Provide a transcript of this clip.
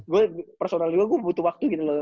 gue personal juga gue butuh waktu gini loh